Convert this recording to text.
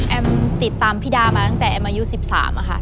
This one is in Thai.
แอมติดตามพี่ดามาตั้งแต่อัมอิยู๑๓อะค่ะ